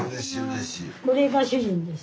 これが主人です。